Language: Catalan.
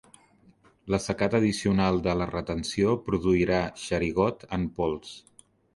L'assecat addicional de la retenció produirà xerigot en pols.